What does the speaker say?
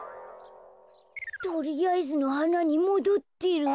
とりあえずのはなにもどってる。